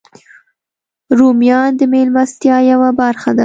رومیان د میلمستیا یوه برخه ده